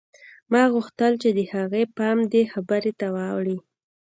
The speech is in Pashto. ما غوښتل چې د هغې پام دې خبرې ته واوړي